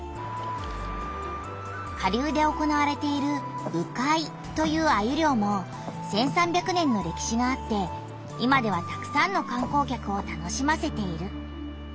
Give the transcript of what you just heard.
下流で行われている鵜飼いというアユりょうも１，３００年の歴史があって今ではたくさんのかん光客を楽しませている。